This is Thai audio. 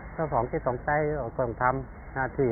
ผมก็ถ้าผมกินของใจก็ต้องทำ๕ที